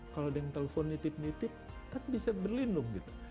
kalau ada yang telepon nitip nitip kan bisa berlindung gitu